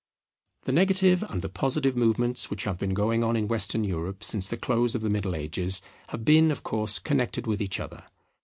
The negative and the positive movements which have been going on in Western Europe since the close of the Middle Ages, have been of course connected with each other.